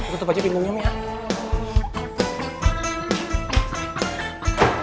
tutup aja bingungnya em